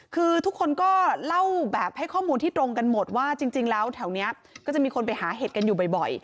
คือทุกคนก็เล่าแบบให้ข้อมูลที่ตรงกันหมดว่าจริงแล้วแถวนี้ก็จะมีคนไปหาเห็ดกันอยู่บ่อย